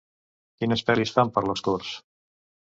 Quines pel·lis fan per Les Corts?